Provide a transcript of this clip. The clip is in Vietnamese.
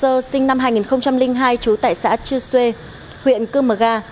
đó là y hưng cơ sơ sinh năm hai nghìn hai chú tại xã chư xê huyện cư mờ ga